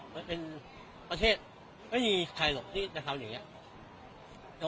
มันเป็นประเทศไม่มีใครหรอกที่จะทำอย่างนี้